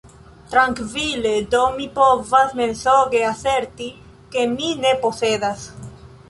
Trankvile do mi povas mensoge aserti, ke mi ne posedas.